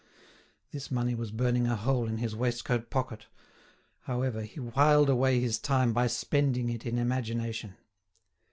This money was burning a hole in his waistcoat pocket; however, he whiled away his time by spending it in imagination.